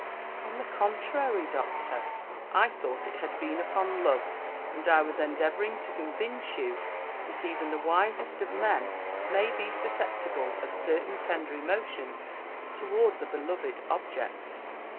"On the contrary, Doctor, I thought it had been upon love; and I was endeavouring to convince you that even the wisest of men may be susceptible of certain tender emotions towards a beloved object."